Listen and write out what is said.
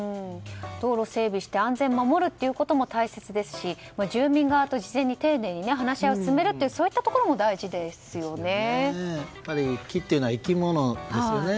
道路を整備して安全を守るということも大切ですし住民側と事前に丁寧に話し合いを進めるというところも木っていうのは生き物ですよね。